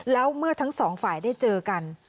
แล้วเมื่อทั้งสองฝ่ายได้เจอกัน